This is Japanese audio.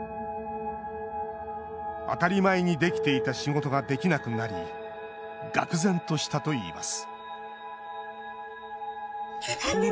当たり前にできていた仕事ができなくなりがく然としたといいます